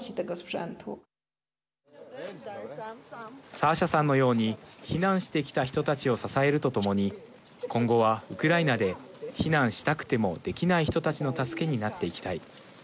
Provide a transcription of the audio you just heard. サーシャさんのように避難してきた人たちを支えるとともに今後はウクライナで避難したくてもできない人たちの助けになっていきたい。